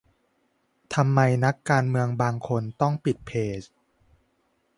ทำไมนักการเมืองบางคนต้องปิดเพจ?